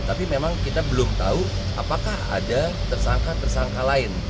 tapi memang kita belum tahu apakah ada tersangka tersangka lain